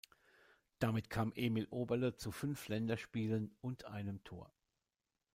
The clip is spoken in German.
Damit kam Emil Oberle zu fünf Länderspielen und einem Tor.